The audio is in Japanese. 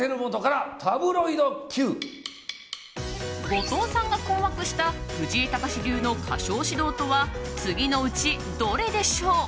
後藤さんが困惑した藤井隆の歌唱指導は次のうち、どれでしょう？